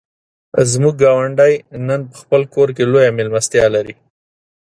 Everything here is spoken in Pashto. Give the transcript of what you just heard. زموږ ګاونډی نن په خپل کور کې لویه مېلمستیا لري.